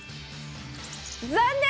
残念！